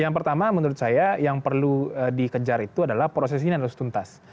yang pertama menurut saya yang perlu dikejar itu adalah proses ini harus tuntas